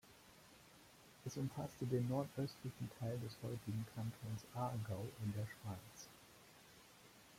Es umfasste den nordöstlichen Teil des heutigen Kantons Aargau in der Schweiz.